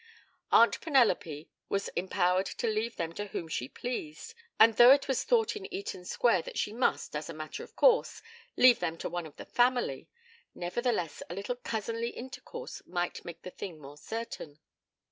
Aunt Penelope was empowered to leave them to whom she pleased; and though it was thought in Eaton Square that she must, as a matter of course, leave them to one of the family, nevertheless a little cousinly intercourse might make the thing more certain.